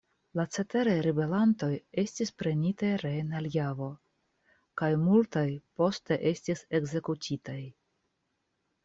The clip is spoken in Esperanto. La ceteraj ribelantoj estis prenitaj reen al Javo kaj multaj poste estis ekzekutitaj.